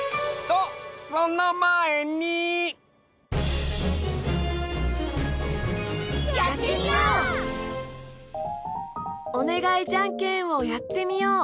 「おねがいじゃんけん」をやってみよう！